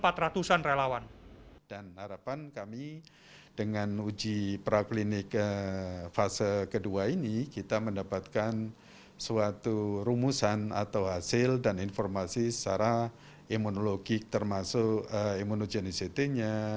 harapan dan harapan kami dengan uji praklinik fase kedua ini kita mendapatkan suatu rumusan atau hasil dan informasi secara imunologi termasuk imunogenis city nya